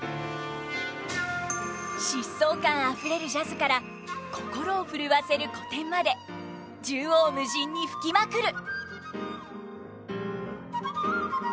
疾走感あふれるジャズから心をふるわせる古典まで縦横無尽に吹きまくる！